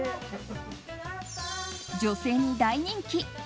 女性に大人気！